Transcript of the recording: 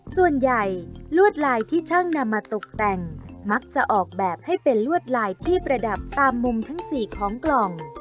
ส่วนใหญ่ลวดลายที่ช่างนำมาตกแต่งมักจะออกแบบให้เป็นลวดลายที่ประดับตามมุมทั้งสี่ของกล่อง